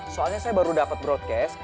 soalnya saya baru dapat broadcast